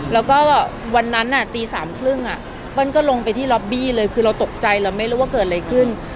แล้วก็วันนั้นตี๓๓๐เปิ้ลก็ลงไปที่ล็อบบี้เลยคือเราตกใจเราไม่รู้ว่าเกิดอะไรขึ้น